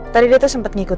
tadi dia tuh sempet ngikutin